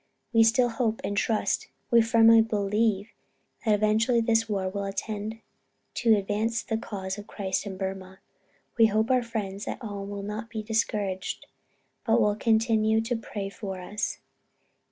We still hope and trust, we firmly believe, that eventually this war will tend to advance the cause of Christ in Burmah. We hope our friends at home will not be discouraged, but will continue to pray for us."